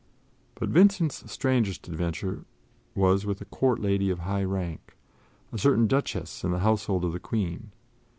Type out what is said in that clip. But Vincent's strangest adventure was with a Court lady of high rank, a certain Duchess in the household of the Queen.